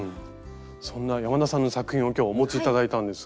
そんな山田さんの作品を今日お持ち頂いたんですが。